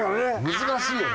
難しいよね